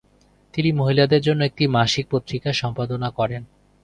তিনি মহিলাদের জন্য একটি মাসিক পত্রিকা সম্পাদনা করেন।